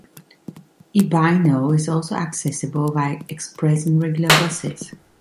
Ebino is also accessible via express and regular buses.